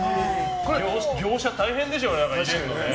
業者大変でしょうね入れるのね。